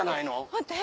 待って。